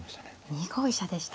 ２五飛車でした。